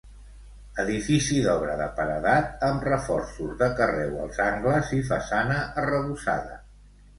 Edifici d'obra de paredat amb reforços de carreu als angles i façana arrebossada.